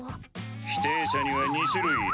否定者には２種類いる。